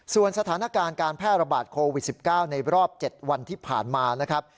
ส่วนสถานการณ์การแพร่ระบาดโควิด๑๙ในรอบ๗วันที่ผ่านมานะครับ